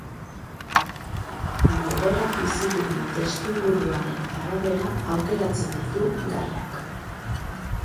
Norberak bizi duen testuinguruaren arabera aukeratzen ditu gaiak.